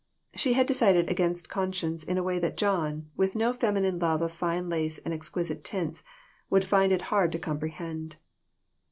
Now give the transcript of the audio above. She had decided against conscience in a way that John, with no feminine love of fine lace and exquisite tints, would find it hard to comprehend.